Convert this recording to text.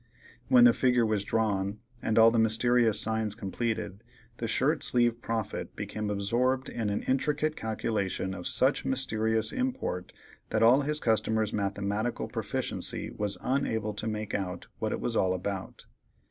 When the figure was drawn, and all the mysterious signs completed, the shirt sleeve prophet became absorbed in an intricate calculation of such mysterious import that all his customer's mathematical proficiency was unable to make out what it was all about.